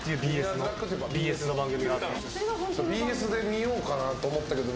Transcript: ＢＳで見ようかなと思ったけど。